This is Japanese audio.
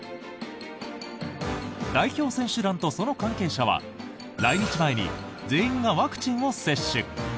代表選手団とその関係者は来日前に全員がワクチンを接種。